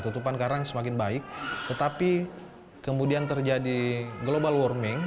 tutupan karang semakin baik tetapi kemudian terjadi global warming